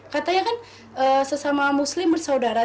katanya kan sesama muslim bersaudara